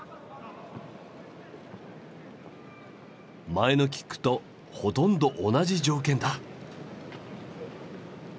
前のキックとほとんど同じ条件だ。